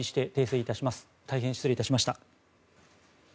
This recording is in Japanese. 大変失礼いたしました。